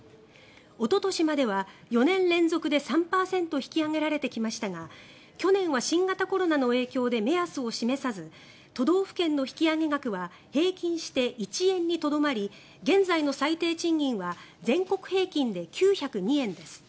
おととしまでは４年連続で３％引き上げられてきましたが去年は新型コロナの影響で目安を示さず都道府県の引き上げ額は平均して１円にとどまり現在の最低賃金は全国平均で９０２円です。